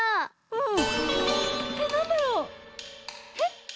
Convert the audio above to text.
うん。